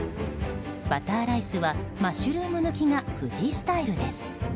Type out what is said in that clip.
バターライスはマッシュルーム抜きが藤井スタイルです。